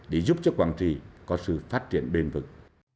để giúp cho quảng trị có sự phát triển đơn vực